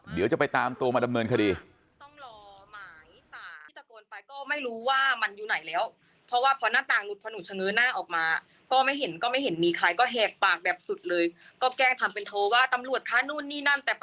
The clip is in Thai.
เดี๋ยวจะไปตามตัวมาดำเนินคดี